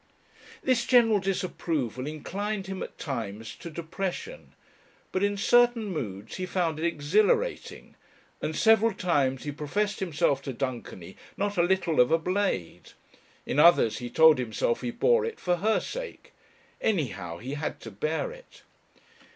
This general disapproval inclined him at times to depression, but in certain moods he found it exhilarating, and several times he professed himself to Dunkerley not a little of a blade. In others, he told himself he bore it for her sake. Anyhow he had to bear it.